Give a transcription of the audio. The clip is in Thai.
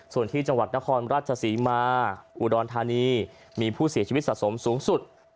ส่วนที่จังหวัดนครราชศรีมาอุดรธานีมีผู้เสียชีวิตสะสมสูงสุด